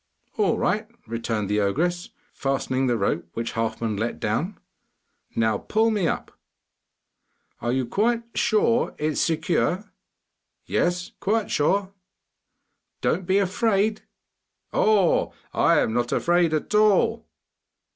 'All right,' returned the ogress, fastening the rope which Halfman let down. 'Now pull me up.' 'Are you sure it is secure?' 'Yes, quite sure.' 'Don't be afraid.' 'Oh, I am not afraid at all!